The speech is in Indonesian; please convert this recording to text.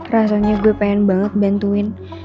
rasanya gue pengen banget bantuin